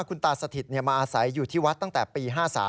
คุณตาสถิตมาอาศัยอยู่ที่วัดตั้งแต่ปี๕๓